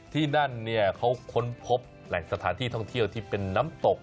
ที่นั่นเขาค้นพบแหล่งสถานที่ท่องเที่ยวที่เป็นน้ำตก